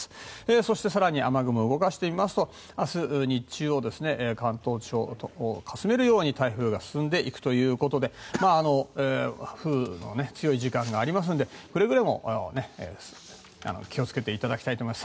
そして、雨雲を動かしてみますと明日、日中関東地方をかすめるように台風が進んでいくということで風雨の強い時間がありますのでくれぐれも気をつけていただきたいと思います。